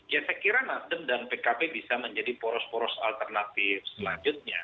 ya saya kira nasdem dan pkb bisa menjadi poros poros alternatif selanjutnya